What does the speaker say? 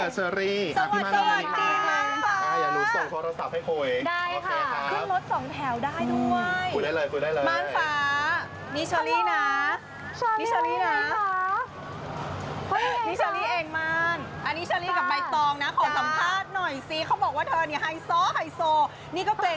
เชอรี่สวัสดีครับม่านป๊าสวัสดีครับ